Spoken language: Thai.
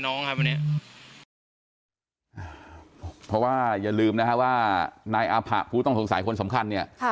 นั่งครับว่านี้พอว่าอย่าลืมนะครับว่านัยอพระผู้ต้องสงสัยคนสำคัญเนี่ย